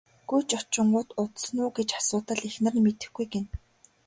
Гүйж очингуут удсан уу гэж асуутал эхнэр нь мэдэхгүй ээ гэнэ.